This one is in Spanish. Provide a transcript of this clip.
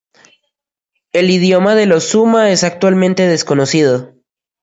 El idioma de los suma es actualmente desconocido.